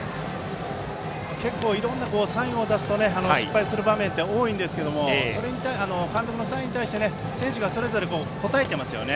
いろいろなサインを出すと失敗する場面って多いんですけど監督のサインに対して選手がそれぞれ応えていますね。